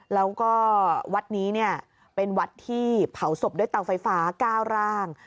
แล้วก็วัดนี้เป็นวัดที่เผาศพด้วยเตาไฟฟ้า๙ร่าง